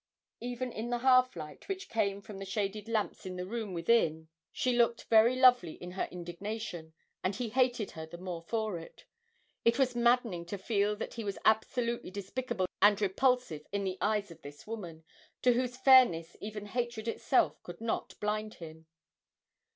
Even in the half light which came from the shaded lamps in the room within she looked very lovely in her indignation, and he hated her the more for it it was maddening to feel that he was absolutely despicable and repulsive in the eyes of this woman, to whose fairness even hatred itself could not blind him.